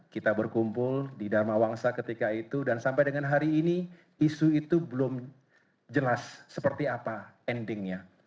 kita berkumpul di dharma wangsa ketika itu dan sampai dengan hari ini isu itu belum jelas seperti apa endingnya